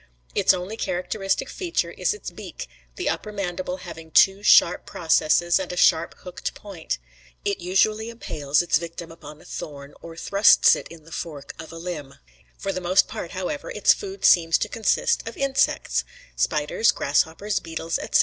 Its only characteristic feature is its beak, the upper mandible having two sharp processes and a sharp hooked point. It usually impales its victim upon a thorn, or thrusts it in the fork of a limb. For the most part, however, its food seems to consist of insects, spiders, grasshoppers, beetles, etc.